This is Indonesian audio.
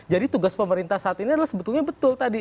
jadi tugas pemerintah saat ini adalah sebetulnya betul tadi